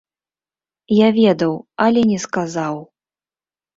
Я ведаў, але не сказаў!